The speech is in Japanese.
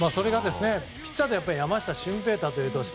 ピッチャーでは山下舜平大という投手。